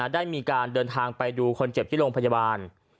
ได้มีการเดินทางไปดูคนเจ็บที่โรงพยาบาล